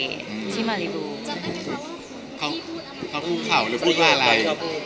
อเรนนี่ว่าพูดข่าวหรือพูดมาอะไร